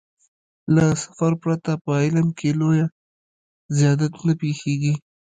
له سفر پرته په علم کې لويه زيادت نه پېښېږي.